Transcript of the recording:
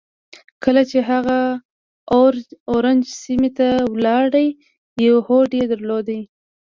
کله چې هغه اورنج سيمې ته ولاړ يو هوډ يې درلود.